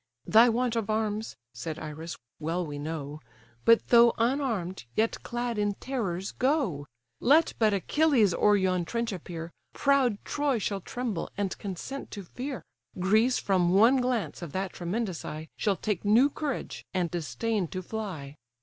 "Thy want of arms (said Iris) well we know; But though unarm'd, yet clad in terrors, go! Let but Achilles o'er yon trench appear, Proud Troy shall tremble, and consent to fear; Greece from one glance of that tremendous eye Shall take new courage, and disdain to fly."